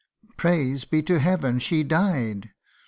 Praise be to Heaven, she died